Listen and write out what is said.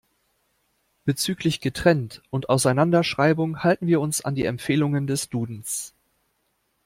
Bezüglich Getrennt- und Auseinanderschreibung halten wir uns an die Empfehlungen des Dudens.